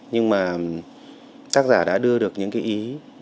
nhưng mà tác giả đã đưa được những cái ý